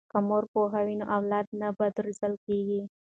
که مور پوهه وي نو اولاد نه بد روزل کیږي.